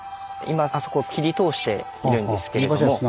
今あそこ切り通しているんですけれども。